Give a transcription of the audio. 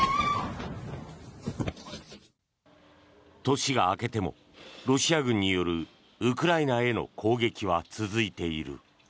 年が明けてもロシア軍によるウクライナへの攻撃は続いている。